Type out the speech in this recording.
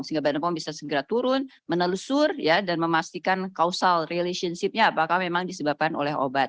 sehingga badan pom bisa segera turun menelusur dan memastikan kausal relationship nya apakah memang disebabkan oleh obat